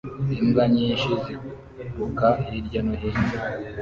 imbwa nyinshi ziruka hirya no hino